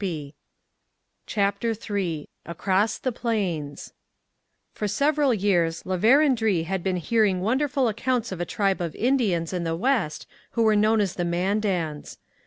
CHAPTER III ACROSS THE PLAINS For several years La Vérendrye had been hearing wonderful accounts of a tribe of Indians in the West who were known as the Mandans.